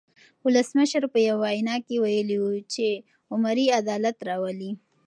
ولسمشر په یوه وینا کې ویلي وو چې عمري عدالت راولي.